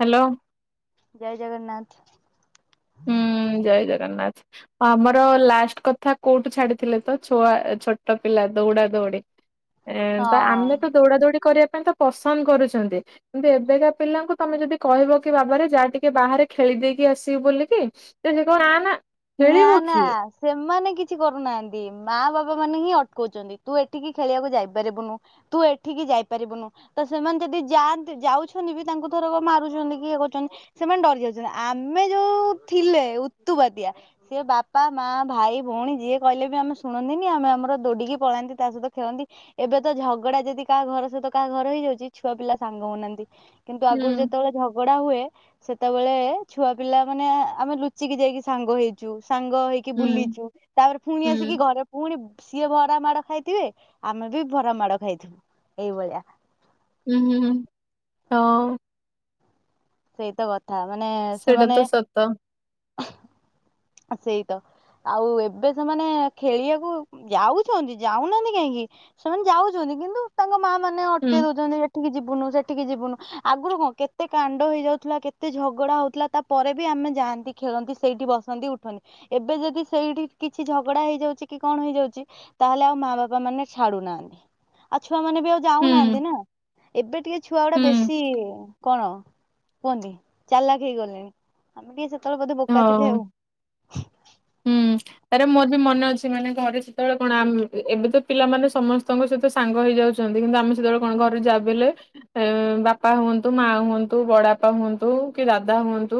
Hello. ଜୟ ଜଗନ୍ନାଥ୍। ହୁଁ ଜୟ ଜଗନ୍ନାଥ୍। ଆମର ଲାଷ୍ଟ କଥା କୋଉଠୁ ଛାଡିଥିଲେ ତ ଛୁଆ ଛୋଟ ପିଲା ଦୌଡା ଦୌଡି। ଏ ତ ହଁ ଆମେ ତ ଦୌଡା ଦୌଡି କରିବା ପାଇଁ ତ ପସନ୍ଦ କରୁଛନ୍ତି। କିନ୍ତୁ ଏବେକା ପିଲାଙ୍କୁ ତମେ ଯଦି କହିବ କି ବାବାରେ ଯା ଟିକେ ବାହାରେ ଖେଳିଦେଇକି ଆସିବୁ ବୋଲି କି ସେ କହିବ ନା ନା। ନା ଖେଳିବ ନା। କିଏ? ସେମାନେ କିଛି କରୁନାହାନ୍ତି ମା ବାପା ମାନେ ହିଁ ଅଟକଉଛନ୍ତି ତୁ ଏଠିକି ଖେଳିବାକୁ ଯାଇପାରିବୁନୁ। ତୁ ଏଠିକି ଯାଇପାରିବୁନୁ। ତ ସେମାନେ ଯଦି ଯାଆନ୍ତି ଯାଉଛନ୍ତି ବି ତାଙ୍କୁ ଥରକ ମାରୁଛନ୍ତି କି ଇଏ କରୁଛନ୍ତି। ସେମାନେ ଡରିଯାଉଛନ୍ତି ଆମେ ଯୋଉ ଥିଲେ ଉତୁପାତିଆ। ସିଏ ବାପା ମାଆ ଭାଇ ଭଉଣୀ ଯିଏ କହିଲେ ବି ଆମେ ଶୁଣନ୍ତିନି ଆମେ ଆମର ଦୌଡ଼ିକି ପଳାନ୍ତି ତା ସହିତ ଖେଳନ୍ତି। ଏବେ ତ ଝଗଡା ଯଦି କାହା ଘର ସହିତ କାହା ଘର ହେଇଯାଉଛି ଛୁଆ ପିଲା ସାଙ୍ଗ ହଉନାହାନ୍ତି। କିନ୍ତୁ ହୁଁ ଆଗରୁ ଯେତେବେଳେ ଝ ଝଗଡା ହୁଏ ସେତେବେଳେ ଛୁଆ ପିଲା ମାନେ ଆମେ ଲୁଚିକି ଯାଇକି ସାଙ୍ଗ ହେଇ ଚୁ ସାଙ୍ଗ ହେଇକି ହୁଁ ବୁଲିଚୁ ତାପରେ ପୁଣି ହୁଁ ଆସିକି ଘରେ ପୁଣି ସିଏ ଭରା ମାଡ ଖାଇଥିବେ ଆମେ ବି ଭରା ମାଡ ଖାଇଥିବୁ ଏଇଭଳିଆ। ହୁଁ ହୁଁ ହଁ। ସେଇତ କଥା ମାନେ ସେଇଟା ସେମାନେ ତ ସତ ସେଇତ। ଆଉ ଏବେ ସେମାନେ ଖେଳିବାକୁ ଯାଉଛନ୍ତି ଯାଉନାହାନ୍ତି କାହିଁକି। ସେମାନେ ଯାଉଛନ୍ତି କିନ୍ତୁ ତାଙ୍କ ମା ମାନେ ହୁଁ ଅଟକେଇ ଦଉଛନ୍ତି, ସେଠିକି ଯିବୁନୁ ସେଠିକି ଯିବୁନୁ ଆଗରୁ କଣ କେତେ କ ହେଇଯାଉଥିଲା, କେତେ ଝଗଡା ହଉଥିଲା ତାପରେ ବି ଆମେ ଯାଆନ୍ତି ଖେଳନ୍ତି ସେଇଠି ବସନ୍ତି ଉଠନ୍ତି। ଏବେ ଯଦି ସେଇଠି କିଛି ଝଗଡା ହେଇଯାଉଚି କି କଣ ହେଇଯାଉଚି ତାହଲେ ଆଉ ମା ବାପା ମାନେ ଛାଡ଼ୁନହନ୍ତି। ଆଉ ଛୁଆ ମାନେ ବି ଆଉ ହୁଁ। ଯାଉନାହାନ୍ତି ନା ଏବେ ଟିକେ ଛୁଆ ହୁଁ ଗୁଡା ବେଶୀ କଣ କୁହନ୍ତି ଚାଲାକ ହେଇ ଗଲେଣି ଆମେ ଟିକେ ସେତେବେଳେ ବୋଧେ ବୋକ ଥିଲେ ହଁ। ଆଉ। ହଁ ତାର ମୋର ବି ମନେ ଅଛି ମାନେ ଘରେ ସେତେବେଳେ କଣ ଏବେ ତ ପିଲାମାନେ ସମସ୍ତଙ୍କ ସହିତ ତ ସାଙ୍ଗ ହେଇଯାଉଛନ୍ତି କିନ୍ତୁ ଆମେ ସେତେବେଳେ କଣ ଘରେ ଯା ବିହେଲେ ଏ ବାପା ହୁଅନ୍ତୁ ମା ହୁଅନ୍ତୁ ବଡ ବାପା ହୁଅନ୍ତୁ କି ଦାଦା ହୁଅନ୍ତୁ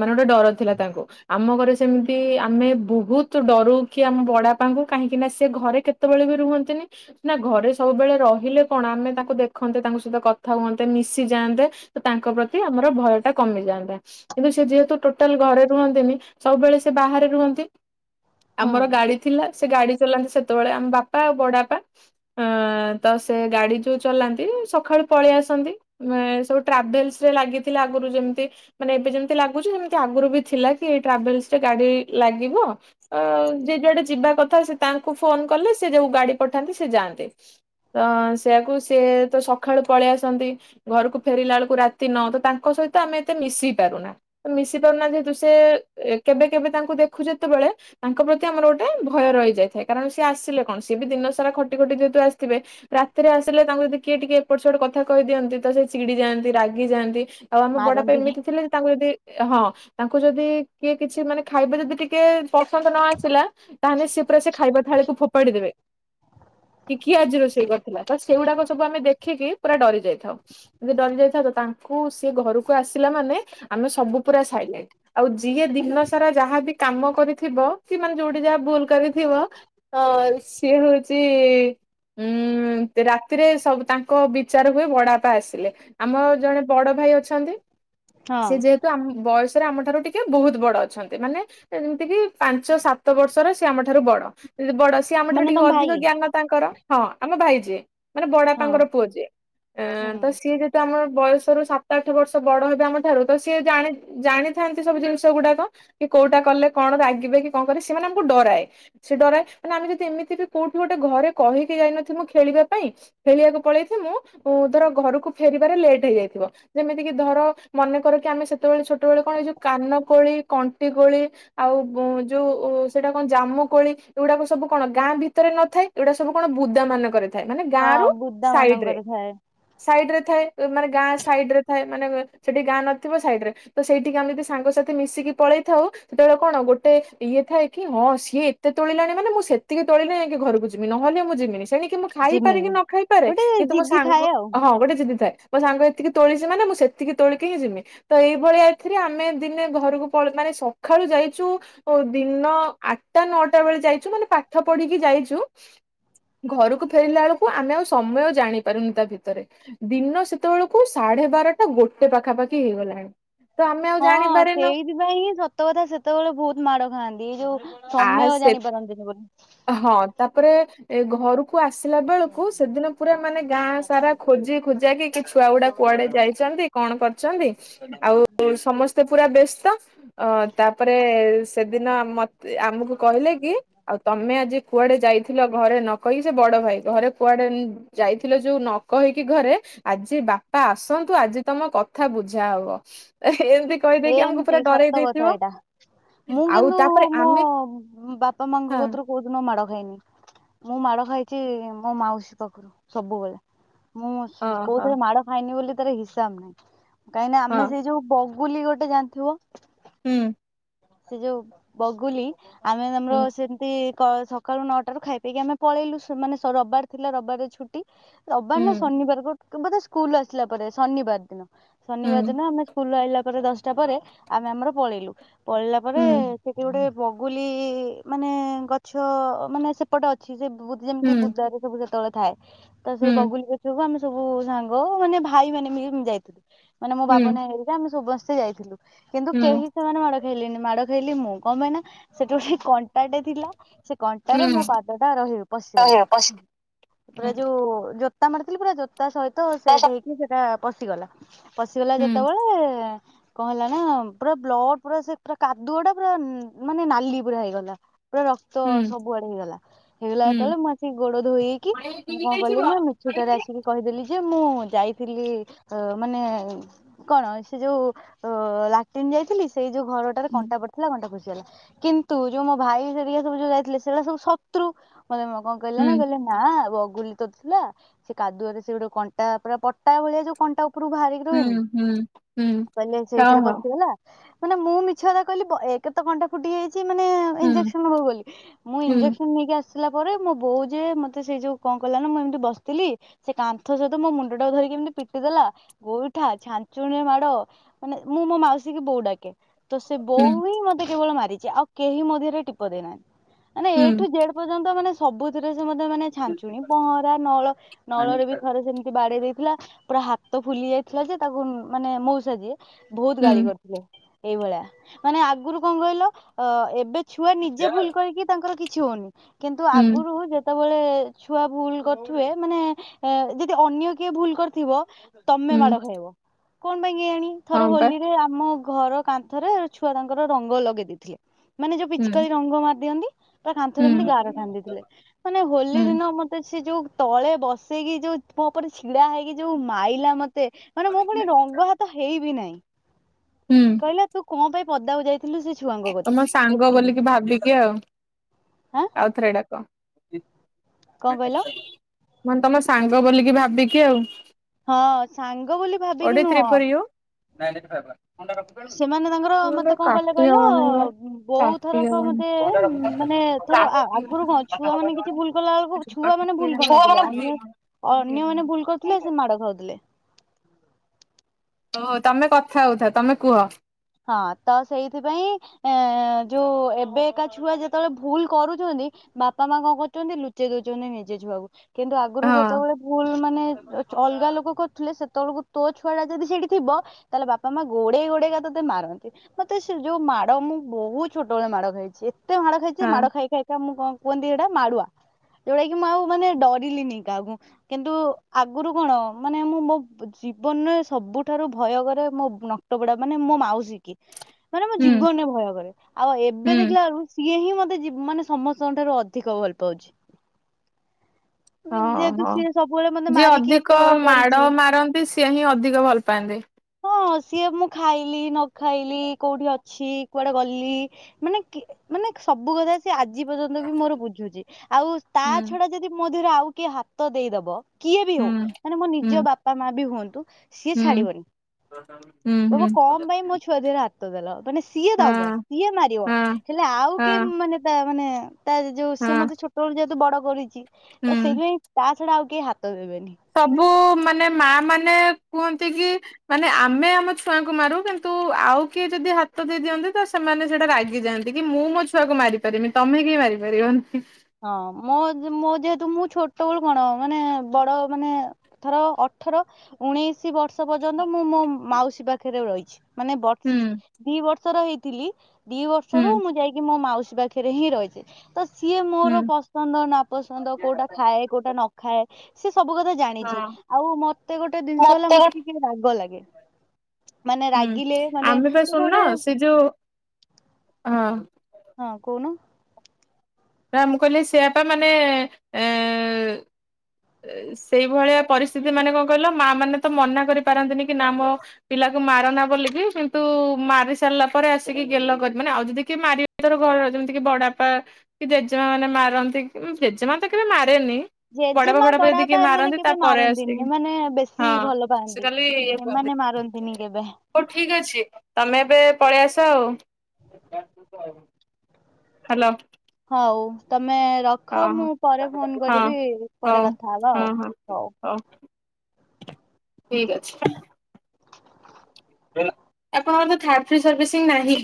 ମାନେ ଗୋଟେ ଡର ଥିଲା ତାଙ୍କୁ ଆମ ଘରେ ସେମିତି ଆ ଆମେ ବହୁତ ଡରୁ କି ଆମ ବଡାପାଙ୍କୁ କାହିଁକି ନା ସେ ଘରେ କେତେବେଳେ ବି ରୁହନ୍ତିନି। ନା ଘରେ ସବୁବେଳେ ରହିଲେ କଣ ଆମେ ତାଙ୍କୁ ଦେଖନ୍ତେ ତାଙ୍କ ସହିତ କଥା ହୁଅନ୍ତେ ମିଶିଯାଆନ୍ତେ ତ ତାଙ୍କ ପ୍ରତି ଆମର ଭୟ ଟା କମିଯାଆନ୍ତା। କିନ୍ତୁ ସେ ଯେହେତୁ ଟୋଟାଲ ଘରେ ରୁହନ୍ତିନି ସବୁବେଳେ ସେ ବାହାରେ। ରୁହନ୍ତି। ହଁ। ଆମର ଗାଡି ଥିଲା ସେ ଗାଡି ଚଲାନ୍ତି ସେତେବେଳେ, ଆମ ବାପା ଆଉ ବଡ ବାପା ଅ ତ ସେ ଗାଡି ଯୋଉ ଚଲାନ୍ତି ସକାଳୁ ପଳେଇ ଆସନ୍ତି। ସବୁ ଟ୍ରାଭେଲସ ରେ ଲାଗିଥିଲା ଆଗରୁ ଯେମିତି ମାନେ ଏବେ ଯେମିତି ଲାଗୁଛି ଯେମିତି ଆଗରୁ ବି ଥିଲା କି ଟ୍ରାଭେଲସ ରେ ଗାଡି ଲାଗିବ। ଅ ଯିଏ ଯୋଆଡେ ଯିବା କଥା ସେ ତାଙ୍କୁ ଫୋନ କଲେ ସେ ଯୋଉ ଗାଡି ପଠାନ୍ତି ସେ ଯାଆନ୍ତି। ତ ସେଆକୁ ସିଏ ତ ସକାଳୁ ପଳେଇ ଆସନ୍ତି। ଘରକୁ ଫେରିଲା ବେଳକୁ ରାତି ନ ତ ତାଙ୍କ ସହିତ ଆମେ ଏତେ ମିଶି ପାରୁନା। ମିଶି ପାରୁନା ଯେହେତୁ ସେ କେବେ କେବେ ତାଙ୍କୁ ଦେଖୁ ଯେତେବେଳେ ତାଙ୍କ ପ୍ରତି ଆମର ଗୋଟେ ଭୟ ରହିଯାଇଥାଏ, କାରଣ ସିଏ ଆସିଲେ କଣ ସିଏ ବି ଦିନ ସାରା ଖଟି ଖଟି ଯେହେତୁ ଆସିଥିବେ ରାତିରେ ଆସିଲେ ତାଙ୍କୁ ଯଦି କିଏ ଟିକେ ଏପଟ ସେପଟ କଥା କହିଦିଅନ୍ତି ତ ସେ ଚିଡି ଯାଆନ୍ତି ରାଗି ଯାଆନ୍ତି। ଆଉ ଆମ ବଡ ପାଇଁ ମାରନ୍ତି ଏମିତି ଥିଲେ ଯେ ତାଙ୍କୁ ଯଦି ହଁ ତାଙ୍କୁ ଯଦି କିଏ କିଛି ମାନେ ଖାଇବା ଯଦି ଟି ଟିକେ ପସନ୍ଦ ନ ଆସିଲା ତାହେଲେ ସିଏ ପୁରା ସେ ଖାଇବା ଥାଳିକୁ ଫୋପାଡି ଦେବେ। କି କି ଆଜି ରୋଷେଇ କରିଥିଲା ତ ସେଇଗୁଡାକ ସବୁ ଆମେ ଦେଖିକି ପୁରା ଡରି ଯାଇଥାଉ। ଯଦି ଡରି ଯାଇଥାଉ ତ ତାଙ୍କୁ ସିଏ ଘରକୁ ଆସିଲା ମାନେ ଆମେ ସବୁ ପୁରା ସାଇଲେଣ୍ଟ, ଆଉ ଯିଏ ଦିନ ସାରା ଯାହା ବି କାମ କରିଥିବ କି ମାନେ ଯୋଉଠି ଯାହା ଭୁଲ କରିଥିବ ତ ସି ସିଏ ହଉଛି ଉୁଁ ରାତିରେ ସବୁ ତାଙ୍କ ବିଚାର ହୁଏ ବଡବାପା ଆସିଲେ। ଆମ ର ଜଣେ ବଡ ଭାଇ ଅଛନ୍ତି। ହଁ ସେ ଯେହେତୁ ଆମ ବୟସରେ ଆମ ଠାରୁ ଟିକେ ବୋହୁତ ବଡ ଅଛନ୍ତି। ମାନେ ଯେମିତି କି ପାଞ୍ଚ ସାତ ବର୍ଷର ସିଏ ଆମ ଠାରୁ ବଡ, ଯ ବଡ ସି ଆମ ଠାରୁ ମାନେ ଟିକେ ତମ ଅଧିକ ଭାଇ ଜ୍ଞାନ ତାଙ୍କର, ହଁ ଆମ ଭାଇ ଯିଏ। ମାନେ ହଁ। ବଡାପାଙ୍କର ପୁଅ ଯିଏ ଅ ତ ସିଏ ଯି ତ ଆମର ବୟସ ର ସାତ ଆଠ ବର୍ଷ ବଡ ହେବେ ଆମ ଠାରୁ ତ ସିଏ ଜା ଜାଣିଥାନ୍ତି ସବୁ ଜିନିଷ ଗୁଡାକ। କି କୋଉଟା କଲେ କଣ ରାଗିବେ କି କଣ କିବରେ ସେମାନେ ଆମକୁ ଡରାଏ। ସେ ଡରାଏ ମାନେ ଆମେ ଯଦି ଏମିତି ବି କୋଉଠି ଗୋଟେ ଘରେ କହିକି ଯାଇନଥିବୁ ଖେଳିବା ପାଇଁ ଖେଳିବାକୁ ପଳେଇଥିଲି ମୁଁ ତର ଘରକୁ ଫେରିବାରେ ଲେଟ୍ ହେଇଯାଇଥିବ। ଯେମିତିକି ଧର ମନେକର କି ଆମେ ସେତେବେଳେ ଛୋଟବେଳେ କଣ ହେଇଛୁ କାନ କୋଳି କଣ୍ଟି କୋଳି ଆଉ ଯୋଉ ସେଇଟା କଣ ଜାମୁକୋଳି ଏଗୁଡାକ ସବୁ କଣ ଗାଁ ଭିତରେ ନଥାଏ। ଏଗୁଡା ସବୁ କଣ ବୁଦା ମାନଙ୍କ ରିରେଥାଏ ମାନେ ଗାଁ ର ହଁ ବୁଦା ସାଇଡ ରେ। ମାନଙ୍କର ଥାଏ ସାଇଡ ରେ ଥାଏ ମାନେ ଗାଁ ସାଇଡ ରେ ଥାଏ ମାନେ ସେଠି ଗାଁ ନଥିବ ସାଇଡ ରେ। ତ ସେଇଠିକି ଆମେ ଯଦି ସାଙ୍ଗସଥି ମିଶିକି ପଳେଇ ଥାଉ ସେତେବେଳେ କଣ ଗୋଟେ ଇଏ ଥାଏ କି ହଁ ସିଏ ଏତେ ତୋିଲାଣି ମାନେ ମୁଁ ସେତିକି ତୋଳିିଲଣି ଆ ଘରକୁ ଯିବି। ମି ନହେଲେ ମୁଁ ଯିମିନି ସେଣିକି ମୁଁ ଖାଇପାରେ କି ଜିମିନି ନ ଖାଇପାରେ ଗୋଟେ କିନ୍ତୁ ମୋ ଜିଦି ଥାଏ ସାଙ୍ଗ ଆଉ। ହଁ ଗୋଟେ ଜିଧି ଥାଏ। ମୋ ସାଙ୍ଗ ଏତିକି ତୋଳିଛିି ମାନେ ମୁଁ ସେତିକି ତୋଳିକି ହିଁ ଯିମି ତ ଏଇଭଳିଆ ଏଥିରେ ଆମେ ଦିନେ ଘରକୁ। ପଳେଇ ମାନେ ସକାଳୁ ଯାଇଛୁ। ଓ ଦିନ ଆଠଟା ନଅଟା ବେଳେ ଯାଇଛୁ ମାନେ ପାଠ ପଢିକି ଯାଇଛୁ। ଘରକୁ ଫେରିଲା ବେଳକୁ ଆମେ ଆଉ ସମୟ ଜାଣି ପାରୁନି ତା ଭିତରେ। ଦିନ ସେତେବେଳକୁ ସାଢେ ବାରଟା ଗୋଟେ ପାଖା‌ ପାଖି ହେଇ ଗଲାଣି। ହଁ ସେଇଥି ପାଇଁ ହିଁ ସତ କଥା ସେତେବେଳେ ବହୁତ ମାଡ ଖାଆନ୍ତି ଏ ଯୋଉ। ଆ ସମୟ ସେ ଜାଣି ପାରନ୍ତିନି ବୋଲି। ହଁ ତାପରେ ଏ ଘରୁ। କୁ ଆସିଲା ବେଳକୁ ସେଦିନ ପୁରା ମାନେ ଗାଁ ସାରା ଖୋଜି ଖୁଜା କିି କି ଛୁଆ ଗୁଡା କୁଆଡେ ଯାଇଛନ୍ତି। କଣ କରଛନ୍ତି। ଆଉ ସମସ୍ତେ ପୁରା ବ୍ୟସ୍ତ ଅ ତାପରେ ସେଦିନ ଆ ମ ତେ ଆମକୁ କହିଲେ କି ଆଉ ତମେ ଆଜି କୁଆଡେ ଯାଇଥିଲ ଘରେ ନ କହି ସେ ବଡ ଭାଇ ଘରେ କୁଆଡେ ଯାଇଥିଲ ଯୋଉ ନ କହିକି ଘରେ। ଆଜି ବାପା ଆସନ୍ତୁ ଆଜି ତମ କଥା ବୁଝା ହବ। ତ ଏମତି କହିଦେଇକି ଆମକୁ ଏମତି ପୁରା ଡରେଇ ସତ କଥା ଦେଇଥିବ ଏଇଟା। ମୁଁ ଆଉ କିନ୍ତୁ ତାପରେ। ମୋ ଆମେ ବାପା ମାଙ୍କ ହଁ କତରୁ। କୋଉ ଦିନ ମାଡ ଖାଇନି ମୁଁ ମାଡ ଖାଇଛି ମୋ ମାଉସୀ ପାଖରୁ ସବୁବେଳେ। ମୁଁ ସ୍ କୋଉ ଓହୋ ଥିରେ ମାଡ ଖାଇନି ବୋଲି ତାର ହିସାବ ନାହିଁ କାହିଁକିନା ଆମେ ହଁ ସେଇ ଯୋଉ ବ ଗୁଲି ଗୋଟେ ଜାଣିଥିବ। ହୁଁ। ସେଇ ଯୋଉ ବଗୁଲି ଆମେ ମାନେ ହଁ କ ସେମିତି। ତ ସକାଳୁ ନଅଟା ରୁ ଖାଇ ପକି ଆମେ ପଳେଇଲୁ ସୁ ମାନେ ରବିବାର ଥିଲା ରବିବାର ରେ ଛୁଟି। ହୁଁ ରବାର ନା ଶନିବାର କୋ ବୋଧେ ସ୍କୁଲ ରୁ ଆସିଲା ପରେ ଶନିବାର ଦିନ। ଶନିବାର ହୁଁ ଦିନ ଆମେ ସ୍କୁଲ ଆଇିଲା ପରେ ଦଶଟା ପରେ ଆମେ ଆମର ପଳେଇଲୁ ପଳେଇିଲା ପରେ। ସେଠି ଗୋଟେ ବଗୁଲି ମାନେ ଗଛ ମାନେ ସେପଟେ ଅଛି ସେ ବୁ ଯେମତି ହୁଁ ହୁଁ ବୁଦା ରେ ସବୁ ସେତେ ବେଳେ ଥାଏ। ତ ସେଇ ବଗୁଲି ଗଛକୁ ଆମେ ସବୁ ସାଙ୍ଗ ମାନେ ଭାଇ ମାନେ ମି ଯାଇଥିଲୁ। ମାନେ ମୋ ବାବୁ ନା ଘରିକା ଆମେ ସମସ୍ତେ ଯାଇଥିଲୁ କିନ୍ତୁ କେହି ସେମାନେ ମାଡ ଖାଇଲେନି ମାଡ ଖାଇଲି ମୁଁ କଁ ପାଇଁ ନା ସେଠି ଗୋଟେ କଣ୍ଟାଟେ ଥିଲା। ସେ କଣ୍ଟାରେ ମୋ ପାଦ ଟା ରହି ପଶିଗଲା ପୁରେ ଯୋଉ ଯୋ ଜୋତା ମାଡିଥିଲି ପୁରା ଜୋତା ସହିତ ସେଟ ହେଇକି ସେଇଟା ପଶିଗଲା। ପଶିଗଲା ଯେତେ ବେଳେ କଁ ହେଲା ନା ପୁରା ବ୍ଲଡ ପୁରା ସେ ପୁରା କାଦୁଅ ଟା ପୁରା ମାନେ ନାଲି ପୁରା ହେଇଗଲା ପୁରା ରକ୍ତ ସବୁଆଡେ ହେଇଗଲା। ହେଇଗଲା ଯେତେବେଳେ ମୁଁ ଆସିକି ଗୋଡ ଧୋଇ ହେଇକି ମୁଁ କଣ କଲିି ନା ମିଛୁଟା ରେ ଆସିକି। କହିଦେଲି ଯେ ମୁଁ ଯାଇଥିଲି ଉଁ ମାନେ। କଣ ସେ ଯୋଉ ଲାଟିନ୍ ଯାଇଥିଲି ସେଇ ଯୋଉ ଘର ଟାରେ କଣ୍ଟା ପଡିଥିଲା କଣ୍ଟା ପିସିଗଲା କିନ ନ୍ତୁ ଯୋଉ ମୋ ଭାଇ ହେରିକା ସବୁ ଯୋଉ ଯାଇଥିଲେ ସେଗୁାଡା ସବୁ ଶତ୍ରୁ ମାତେ ମ କଁ କହିଲେ ନା କହିଲେ। ନା ବଗୁଲି ତୋଳୁ ଥିଲା ସେ କାଦୁଆରେ ସେ ଗୋଟେ କଣ୍ଟା ପୁରା ପଟା ଭଳିଆ ଯୋଉ କଣ୍ଟା ଉପରୁ ବାହାରିକି। ରୁହେନି କହିଲେ ସେଇ ଥିରେ ପଶିଗଲା। ମାନେ ମୁଁ ମିଛ କଥା କହିଲି ବ ଏ କେରେ ତ କଣ୍ଟା ଫୁଟି ଯାଇଛି। ଚି ମାନେ ଇଞେକସନ ନେବି ବୋଲି ମୁଁ ଇନଞେକସନ ନେଇକି ଆ ଆସିଲା ପରେ ମୋ ବୋଉ ଯେ ମତେ ସେଇ ଯୋଉ କଣ କିଲାନ ମୁଁ ଏମିତି ବସିଥିଲି। ସେ କାନ୍ଥ ସହିତ ମୋ ମୁଣ୍ଡ ଟାକୁ ଧରିକି ଏମିତି ପିଟି ଦେଲା ଗୋଇଠା ଛାଞ୍ଚୁଣି ରେ ମାଡ଼। ମାନେ ମୁଁ ମୋ ମାଉସୀକୁ ବୋଉ ଡାକେ। ତ ସେ ବୋଉ ହିଁ ମତେ କେବଳ ମାରିଛି ଆଉ କେହି ମୋ ଧିଏରେ ଟିପ ଦେଇନାହାନ୍ତି। ହୁଁ। ଜେଡ ପର୍ଯ୍ୟନ୍ତ ମାନେ ସବୁଥିରେ ସେ ମାନେ ଛାଞ୍ଚୁଣି, ପହଁରା ନଳ ନଳରେ ବି ଥରେ ସେମିତି ବାଡେଇ ଦେଇଥିଲା। ପୁରା ହାତ ଫୁଲିଯାଇଥିଲା ଯେ ତାକୁ ମାନେ ମଉସା ଯିଏ ବହୁତ ଗାଳି କରିଥିଲେ। ଏଇଭଳିଆ ମାନେ ଆଗରୁ କଣ କହିଲ ଅ ଏବେ ଛୁଆ ନିଜେ ଭୁଲ କରିକି ତାଙ୍କର କିଛି ହଉନି। କିନ୍ତୁ ଆଗରୁ ଯେ ଯେତେବେଳେ ଛୁଆ ଭୁଲ କରୁଥିବେ ମାନେ ଯଦି ଅନ୍ୟ କିଏ ଭୁଲ କରିଥିବ? ତମେ ମାଡ ଖାଇବ କଣ ପାଇଁ କେଆଣି ଥରେ ହୋଲିରେ ଆମ ଘର କାନ୍ଥରେ ଛୁଆ ତାଙ୍କର ରଙ୍ଗ ଲଗେଇ ଦେଇଥିଲେ ମାନେ ଯୋଉ ପିଚିକାରି ରଙ୍ଗ ମାରି ଦିଅନ୍ତି। ତା କାନ୍ଥରେ ଏମିତି ଗାର ଟାଣିଦେଇଥିଲେ ମାନେ ହୋଲି ଦିନ ମତେ ସେ ଯୋଉ ତଳେ ବସେଇକି ଯୋଉ ମୋ ଉପରେ ଛିଡା ହେଇକି ଯୋଉ ମାଇଲା ମତେ ମାନେ ମୁଁ ପୁଣି ରଙ୍ଗ ହା ତ ହେଇ ବିି ନାହିଁ। ହୁଁ। କହିଲା ତୁ କଣ ପାଇଁ ପଦାକୁ ଯାଇ ଥିଲୁ ସେ ଛୁଆ ତମ ସାଙ୍ଗ ବୋଲିକି ଭାବିକି ଆଉ ଆଁ ଆଉଥରେ ଡାକ। କଣ କହିଲ? ମାନେ ତମ ସାଙ୍ଗ ବୋଲିକି ଭାବିକି ଆଉ ହଁ ସାଙ୍ଗ ବୋଲି ଭାବିକି ଓଡେ ଥ୍ରୀ ନୁହଁ ଫୋର୍ ୟୁ ସେମାନେ ତାଙ୍କର ନହେଲେ ମତେ କଣ କହିଲେ କାଟି କହ ଲ ହବନି ବା ବୋଉ କାଟି ଥରକ ହବନି। ମତେ ମାନେ ଧର ଆଗରୁ କଣ ଛୁଆ ମାନେ କିଛି ଭୁଲ କଲା ବେଳକୁ ଛୁଆ କାଟି ମାନେ ଭୁଲ ଛୁଆ କରୁନଥିଲେ ମାନେ ଅନ୍ୟ ଅନ୍ୟ ମାନେ ଭୁଲ କରୁଥିଲେ ସେ ମାଡ଼ ଖାଉଥିଲେ। ଓ ତମେ କଥା ହଉଥା ତମେ କୁହ? ହଁ ତ ସେଇଥିପାଇଁ ଏଁ ଯୋଉ ଏବେକା ଛୁଆ ଯେତେବେଳେ ଭୁଲ କରୁଛନ୍ତି ବାପା ମା କଣ କରୁଚନ୍ତି ଲୁଚେଇ ଦଉଛନ୍ତି ନିଜେ ଛୁଆକୁ କିନ୍ତୁ ଆଗରୁ ହଁ ଯେତେବେଳେ ଭୁଲ ମାନେ ଅଲଗା ଲୋକ କରୁଥିଲେ ସେତେବେଳକୁ ତୋ ଛୁଆଟା ଯଦି ସେଇଠି ଥିବ ତାହେଲେ ବାପା ମା ଗୋଡେଇ ଗୋଡେଇକା ତ ମତେ ମାରନ୍ତି ମତେ ସେ ଯୋଉ ମାଡ ମୁଁ ବହୁତ ଛୋଟବେଳେ ମାଡ ଖାଇଚି ଏତେ ମାଡ଼ ଖାଇଛି ହଁ ମାଡ ଖାଇ ଖାଇ ତ ମୁଁ କଣ କୁହନ୍ତି ସେଇଟା ମାଡୁଆ ଯୋଉଟା କି ମୁଁ ଆଉ ମାନେ ଡରିଲିନି କାହାକୁ? କିନ୍ତୁ ଆଗରୁ କଣ ମାନେ ମୁଁ ମୋ ଜୀବନରେ ସବୁଠାରୁ ଭୟ କରେ ମୋ ନ ପଡା ମାନେ ମୋ ମାଉସୀ କି ମାନେ ମୋ ହୁଁ ଜୀବନରେ ଭୟ କରେ ଆଉ ଏବେ ହୁଁ ଦେଖିଲା ଆଳକୁ ସିଏ ହିଁ ମତେ ମାନେ ସମସ୍ତଙ୍କଠାରୁ ଅଧିକ ଭଲ ପାଉଚି। ହଁ ଯେହେତୁ ହଁ ସିଏ ସବୁବେଳେ ମତେ ଯିଏ ମାରିକି ଏତେ ଅଧିକ ବଡ ମାଡ କରିଚି। ମାରନ୍ତି ସିଏ ହିଁ ଅଧିକ ଭଲ ପାଆନ୍ତି। ହଁ ସିଏ ମୁଁ ଖାଇଲି ନ ଖାଇଲି କୋଉଠି ଅ ଛି କୁଆଡେ ଗଲି ମାନେ କି ମାନେ ସବୁ କଥା ସେ ଆଜି ପର୍ଯ୍ୟନ୍ତ ବି ମୋର ବୁଝୁଚି ଆଉ ତା ହୁଁ ଛଡା ଯଦି ମୋ ଦେହରେ ଆଉ କିଏ ହାତ ଦେଇଦବ କିଏ ବି ହୁଁ ହଉ ମାନେ ମୋ ହୁଁ ନିଜ ବାପା ମା ବି ହୁଅନ୍ତୁ ସିଏ ହୁଁ ଛାଡିବନି। ହୁଁ। କହିବ ହୁଁ କଣ ପାଇଁ ମୋ ଛୁଆ ଦେହରେ ହାତ ଦେଲ ମାନେ ସିଏ ହଁ ଦବ ସିଏ ମାରିବ। ହଁ ହେଲେ ଆଉ କେ ହଁ ମାନେ ତା ମାନେ ତା ଯୋଉ ହଁ ସିଏ ମତେ ଛୋଟ ବେଳୁ ଯେହେତୁ ବଡ କରିଚି ତ ହୁଁ ସେଇଥିପାଇଁ ତା ଛଡ଼ା ଆଉ କେହି ହାତ ଦେବେନି। ସବୁ ମାନେ ମା ମାନେ କୁହନ୍ତି କି? ମାନେ ଆମେ ଆମ ଛୁଆଙ୍କୁ ମାରୁ କିନ୍ତୁ ଆଉ କିଏ ଯଦି ହାତ ଦେଇ ଦିଅନ୍ତି ତ ସେମାନେ ସେଟା ରାଗି ଯାଆନ୍ତି। ମୁଁ ମୋ ଛୁଆକୁ ମାର ପାରିମି ତମେ କେହି ମାରିପାରିବନି। ହଁ ମୋ ମୋ ଯେହେତୁ ମୁଁ ଛୋଟବେଳୁ କଣ ମାନେ ବଡ ମାନେ ଧର ଅଠର ଉଣେଇଶି ବର୍ଷ ପର୍ଯ୍ୟନ୍ତ ମୁଁ ମୋ ମାଉସୀ ପାଖରେ ରହିଚି। ମାନେ ବର୍ଷ ଦିବର୍ଷର ହେଇଥିଲି ହୁଁ ଦିବର୍ଷରୁ ମୁଁ ଯାଇକି ମୋ ମାଉସୀ ପା ଖରେ ହିଁ ରହିଚି ତ ସିଏ ହୁଁ ମୋର ପସନ୍ଦ ନା ପସନ୍ଦ କୋଉଟା ଖାଏ କୋଉଟା ନଖାଏ ସେ ସବୁ କଥା ଜାଣିଚି ହଁ। ଆଉ ମତେ ଗୋଟେ ଜିନିଷ ହେଲା ମତେ କି ରାଗ ଲାଗେ। ମାନେ ରାଗିଲେ ହୁଁ ମାନେ ଆମେ ତ ଗୋଟେ ଶୁଣୁନ ଗୋଟେ ସେ ଯୋଉ ହଁ। ହଁ କହୁନ। ନା ମୁଁ କହିଲି ସେଆପା ମାନେ ଏ ସେଇଭଳିଆ ପରିସ୍ଥିତି ମାନେ କଣ କହିଲ ମା ମାନେ ତ ମନା କରିପାରନ୍ତିନି କି ନା ମ ପିଲାକୁ ମାରନା ବୋଲି ବି କିନ୍ତୁ ମାରି ସାରିଲା ପରେ ଆସିକି ଗେଲ କରି ମାନେ ଆଉ ଯଦି କିଏ ମାରି ତର ଘରର ଯେମିତି କି ବଡପା କି ଜେଜେମା ମାନେ ମାରନ୍ତି ଜେଜେମା ତ କେବେ ମାରେନି ବଡବାପା ଜେଜେମା ଫଡବାପା ଯଦି କିଏ ବଡାପା ଏମାନେ ମାରନ୍ତି କେବେ ତାପରେ ମାରନ୍ତିନି ଆସିକି ଏମାନେ ବେଶୀ ହଁ। ଭଲ ସେ ପାଆନ୍ତି ଖାଲି ଇଏ କୁହନ୍ତି ଏମାନେ ମାରନ୍ତି ତିନିକେବେ ହଉ ଠିକ ଅଛି ତମେ ଏବେ ପଳେଇ ଆସ ଆଉ ହ୍ୟାଲୋ। ହଉ ତମେ ରଖ ମୁଁ ହଁ ପରେ ଫୋନ ହଁ। କରିବି ହଁ ହଉ ପରେ କଥା ହବ ହଁ ଆଉ ହଁ ହଉ। ଠିକ୍ ଅଛି। ଆପଣଙ୍କର ତ ଥ ଫି ସରଭିଶିଁ ନାହିଁ।